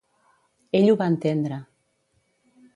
Ell ho va entendre.